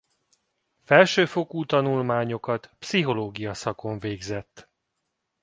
Felsőfokú tanulmányokat pszichológia szakon végzett.